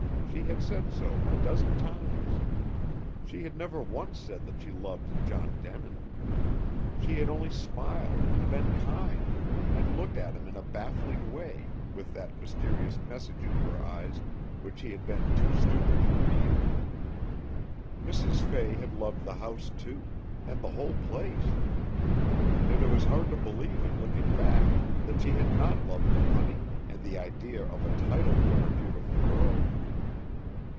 She had said so a dozen times. She had never once said that she loved John Denin. She had only smiled and been kind, and looked at him in a baffling way, with that mysterious message in her eyes which he had been too stupid to read. Mrs. Fay had loved the house too, and the whole place; and it was hard to believe in looking back, that she had not loved the money, and the idea of a title for her beautiful girl.